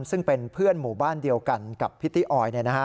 ซึ่งเป็นเพื่อนหมู่บ้านเดียวกันกับพิตตี้ออย